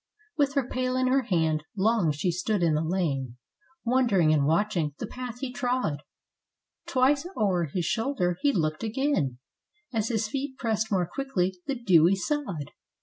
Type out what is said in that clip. With her pail in her hand, long she stood in the lane, Wondering, and watching the path he trod ; Twice o'er his shoulder he looked again, As his feet pressed more quickly the dewy sod.